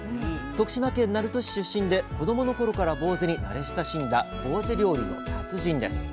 徳島県鳴門市出身で子どもの頃からぼうぜに慣れ親しんだぼうぜ料理の達人です。